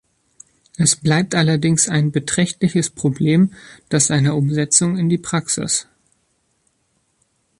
Es bleibt allerdings ein beträchtliches Problem das seiner Umsetzung in die Praxis.